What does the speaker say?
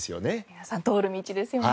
皆さん通る道ですよね。